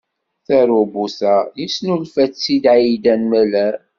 Tarubut-a, yesnulfa-tt-id Aidan Meller.